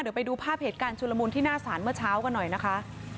เดี๋ยวไปดูภาพเหตุการณ์ชุลมุนที่หน้าศาลเมื่อเช้ากันหน่อยนะคะ